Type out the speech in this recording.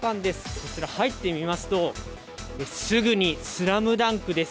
こちら、入ってみますと、すぐにスラムダンクです。